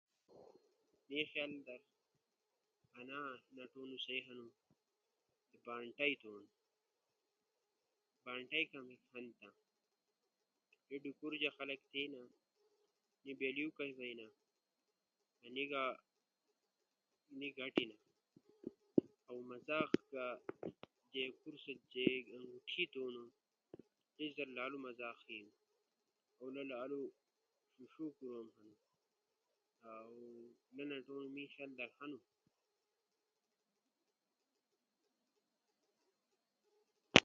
می خیلدر ان نٹونو سیہنو بانٹ بلی یہ فیٹو بیل خواسی لالی فٹبال خوش ہنو